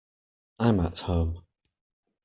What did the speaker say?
I'm at home.